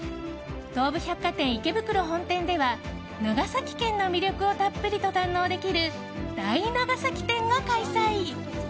東武百貨店池袋本店では長崎県の魅力をたっぷりと堪能できる大長崎展が開催。